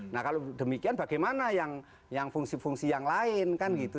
nah kalau demikian bagaimana yang fungsi fungsi yang lain kan gitu